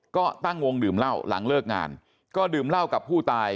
ก็ตั้งวงดื่มเหล้าหลังเลิกงานก็ดื่มเหล้ากับผู้ตาย